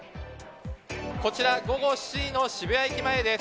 こちら、午後７時の渋谷駅前です。